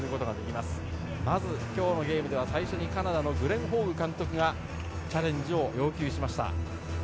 まず今日のゲームでは最初にカナダのグレン・ホーグ監督がチャレンジを要求しました。